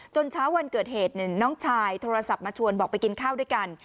เช้าวันเกิดเหตุน้องชายโทรศัพท์มาชวนบอกไปกินข้าวด้วยกัน